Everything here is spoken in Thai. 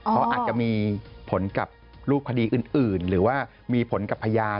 เพราะอาจจะมีผลกับรูปคดีอื่นหรือว่ามีผลกับพยาน